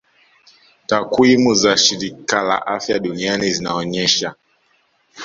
Takwimu za shirika la afya duniani zinaonyesha